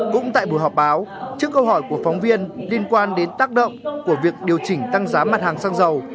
cũng tại buổi họp báo trước câu hỏi của phóng viên liên quan đến tác động của việc điều chỉnh tăng giá mặt hàng xăng dầu